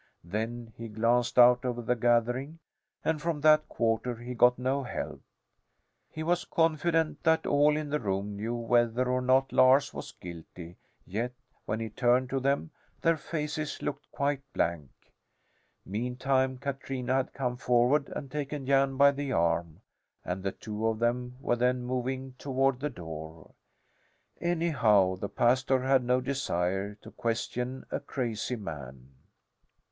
Then he glanced out over the gathering, and from that quarter he got no help. He was confident that all in the room knew whether or not Lars was guilty, yet, when he turned to them, their faces looked quite blank. Meantime Katrina had come forward and taken Jan by the arm, and the two of them were then moving toward the door. Anyhow, the pastor had no desire to question a crazy man.